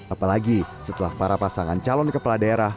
apalagi setelah para pasangan calon kepala daerah